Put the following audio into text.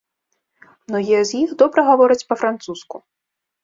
Многія з іх добра гавораць па-французску.